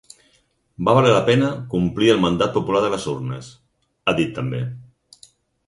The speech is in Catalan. Va valer la pena complir el mandat popular de les urnes, ha dit també.